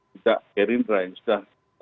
juga erindra yang sudah